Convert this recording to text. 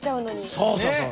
そうそうそう。